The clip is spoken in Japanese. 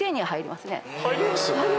入ります。